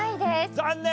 残念！